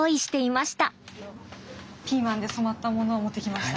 ピーマンで染まったものを持ってきました。